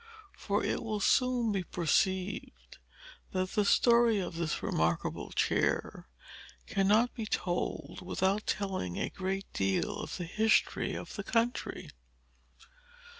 For it will soon be perceived that the story of this remarkable chair cannot be told without telling a great deal of the history of the country.